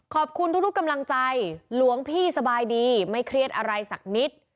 ขอบคุณทุกกำลังใจหลวงพี่สบายดีไม่เครียดอะไรสักนิด